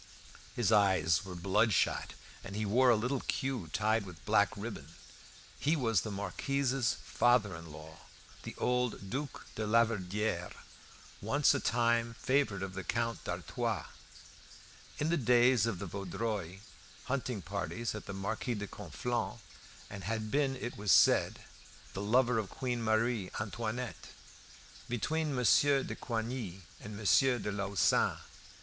His eyes were bloodshot, and he wore a little queue tied with black ribbon. He was the Marquis's father in law, the old Duke de Laverdiere, once on a time favourite of the Count d'Artois, in the days of the Vaudreuil hunting parties at the Marquis de Conflans', and had been, it was said, the lover of Queen Marie Antoinette, between Monsieur de Coigny and Monsieur de Lauzun.